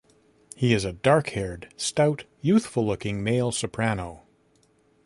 He is a dark-haired, stout, youthful-looking male soprano.